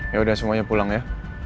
yaudah semuanya pulang ya